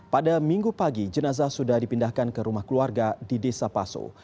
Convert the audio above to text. pada minggu pagi jenazah sudah dipindahkan ke rumah keluarga di desa paso